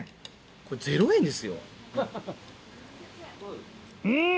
これ０円ですよ。